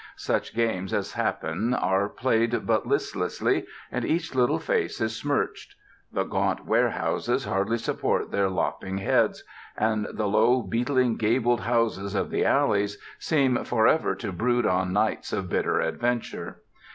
Such games as happen are played but listlessly, and each little face is smirched. The gaunt warehouses hardly support their lopping heads, and the low, beetling, gabled houses of the alleys seem for ever to brood on nights of bitter adventure.